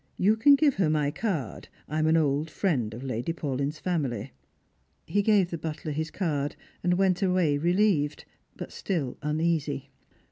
You can give her my card. I am an old friend of Lady Paulyn's family." He gave the butler his card, and went away relieved, but still uneasy.